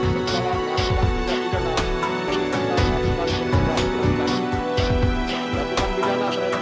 menjagakan bidana terhadap sebuah budaya terawasi dengan bidana penjara selama dua puluh tahun